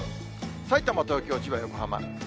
さいたま、東京、千葉、横浜。